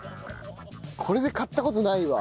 これで買った事ないわ。